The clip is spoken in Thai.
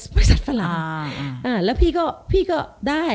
บริษัทฝรั่งแล้วพี่ก็ได้